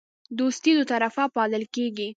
دوستي دوطرفه پالل کیږي